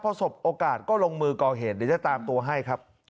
พอสบโอกาสก็ลงมือก่อเหตุเดี๋ยวจะตามตัวให้ครับ